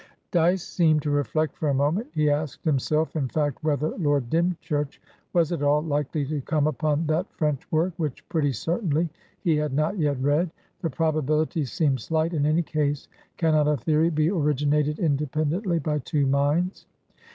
Dyce seemed to reflect for a moment. He asked himself, in fact, whether Lord Dymchurch was at all likely to come upon that French work which, pretty certainly, he had not yet read. The probability seemed slight. In any case, cannot a theory be originated independently by two minds?